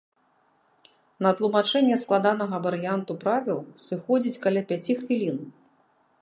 На тлумачэнне складанага варыянту правіл сыходзіць каля пяці хвілін.